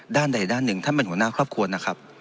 ด้านใดด้านหนึ่งท่านเป็นหัวหน้าครอบครัวนะครับ